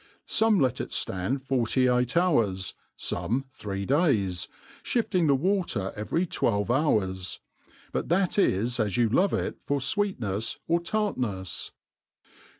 Some let it ftand forty fight hours, fome three days, fhifting the water every twelve hours ; but that is as you love it for fweetnefs or tart nefs.